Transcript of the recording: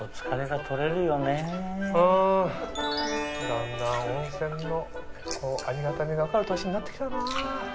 だんだん温泉のありがたみが分かる年になって来たな。